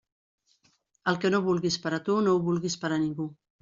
El que no vulguis per a tu, no ho vulguis per a ningú.